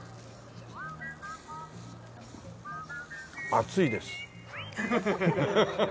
熱いです。